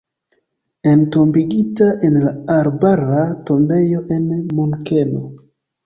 Entombigita en la Arbara Tombejo en Munkeno.